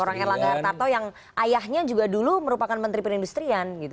seorang elangga harta tau yang ayahnya juga dulu merupakan menteri perindustrian gitu